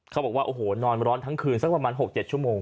เขาบอกว่าโอ้โหนอนร้อนทั้งคืนสักประมาณ๖๗ชั่วโมง